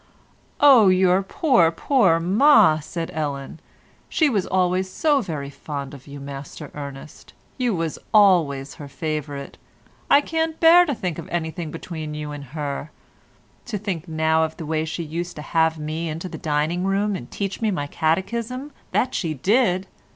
"Oh, your pore, pore ma!" said Ellen. "She was always so very fond of you, Master Ernest: you was always her favourite; I can't abear to think of anything between you and her. To think now of the way she used to have me into the dining room and teach me my catechism, that she did!